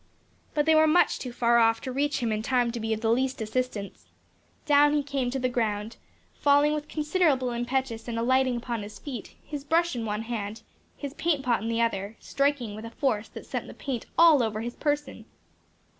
But they were much too far off to reach him in time to be of the least assistance. Down he came to the ground, falling with considerable impetus and alighting upon his feet, his brush in one hand, his paint pot in the other, striking with a force that sent the paint all over his person.